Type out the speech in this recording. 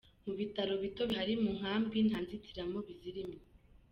Mu bitaro bito bihari mu nkambi nta nzitiramibu zirimo.